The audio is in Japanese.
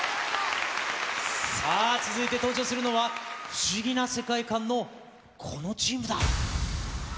さあ、続いて登場するのは、不思議な世界観のこのチームだ。